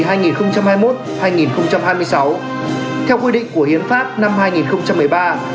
theo quy định của hiên hội